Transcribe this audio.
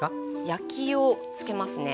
焼きをつけますね。